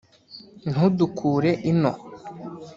ntudukure ino